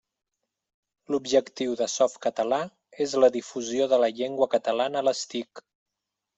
L'objectiu de Softcatalà és la difusió de la llengua catalana a les TIC.